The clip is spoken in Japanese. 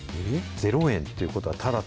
０円ということはただっ